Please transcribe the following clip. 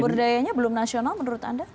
sumber dayanya belum nasional menurut anda